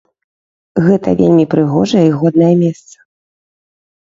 Гэта вельмі прыгожае і годнае месца.